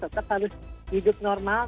tetap harus hidup normal